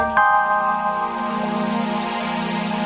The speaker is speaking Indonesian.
aku melihat banyak kejantolan yang